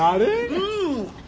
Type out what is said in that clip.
うん！